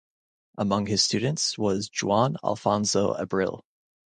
Among his students was Juan Alfonso Abril.